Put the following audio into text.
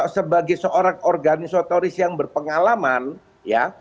sebagai seorang organisotoris yang berpengalaman ya